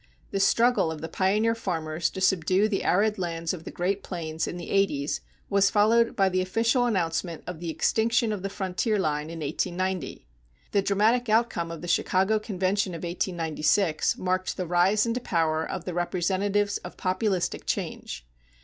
The struggle of the pioneer farmers to subdue the arid lands of the Great Plains in the eighties was followed by the official announcement of the extinction of the frontier line in 1890. The dramatic outcome of the Chicago Convention of 1896 marked the rise into power of the representatives of Populistic change.